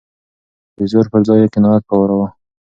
د زور پر ځای يې قناعت کاراوه.